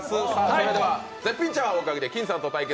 それでは絶品チャーハンをかけて金さんと対決。